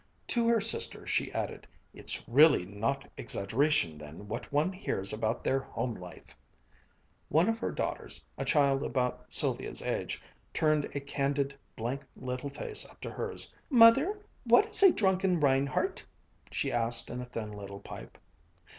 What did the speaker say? To her sister she added, "It's really not exaggeration then, what one hears about their home life." One of her daughters, a child about Sylvia's age, turned a candid, blank little face up to hers, "Mother, what is a drunken reinhardt?" she asked in a thin little pipe.